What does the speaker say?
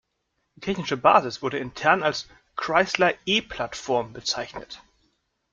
Die technische Basis wurde intern als Chrysler E-Plattform bezeichnet.